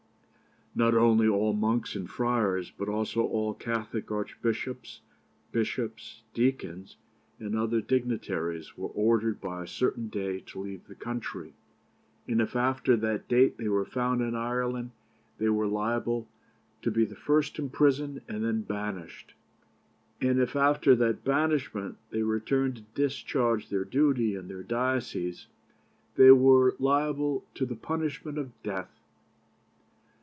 Not only all monks and friars, but also all Catholic archbishops, bishops, deacons, and other dignitaries, were ordered by a certain day to leave the country; and if after that date they were found in Ireland they were liable to be first imprisoned and then banished; and if after that banishment they returned to discharge their duty in their dioceses, they were liable to the punishment of death.